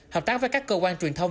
hợp tác với các cơ quan truyền thông